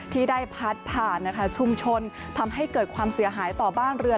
ที่ได้พัดผ่านนะคะชุมชนทำให้เกิดความเสียหายต่อบ้านเรือน